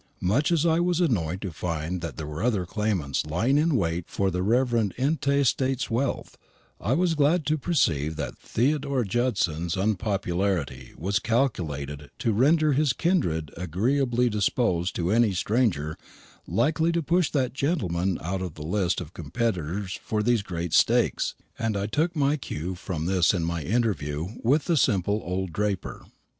Much as I was annoyed to find that there were claimants lying in wait for the rev. intestate's wealth, I was glad to perceive that Theodore Judson's unpopularity was calculated to render his kindred agreeably disposed to any stranger likely to push that gentleman out of the list of competitors for these great stakes, and I took my cue from this in my interview with the simple old draper.